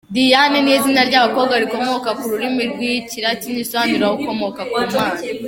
Diane ni izina ry’abakobwa rikomoka ku rurimi rw’Ikilatini risobanura “Ukomoka ku Mana”.